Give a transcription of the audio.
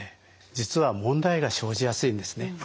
実は問題が生じやすいんですね。